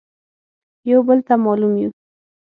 يو بل ته مالوم يو.